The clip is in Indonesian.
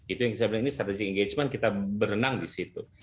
itu yang sebenarnya strategic engagement kita berenang di situ